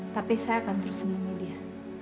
tapi saya akan terus menemui dia